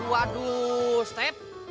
waduh waduh step